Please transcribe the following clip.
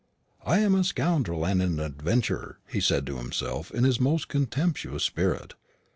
"I am a scoundrel and an adventurer," he said to himself, in his most contemptuous spirit.